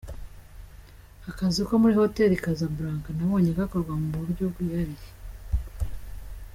Akazi ko muri hoteli i Casablanca nabonye gakorwa mu buryo bwihariye.